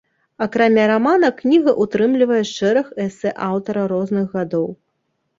Акрамя рамана, кніга ўтрымлівае шэраг эсэ аўтара розных гадоў.